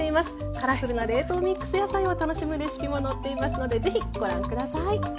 カラフルな冷凍ミックス野菜を楽しむレシピも載っていますので是非ご覧下さい。